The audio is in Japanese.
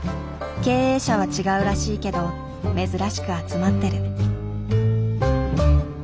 経営者は違うらしいけど珍しく集まってる。